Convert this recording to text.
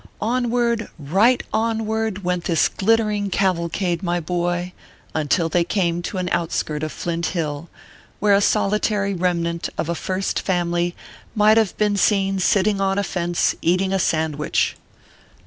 Onward, right onward, went this glittering caval cade, my boy, until they came to an outskirt of Flint Hill, where a solitary remnant of a First Family might have been seen sitting on a fence, eating a sandwich.